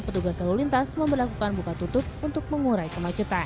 petugas lalu lintas memperlakukan buka tutup untuk mengurai kemacetan